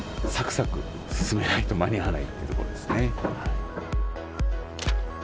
さくさく進めないと間に合わないっていうところですね。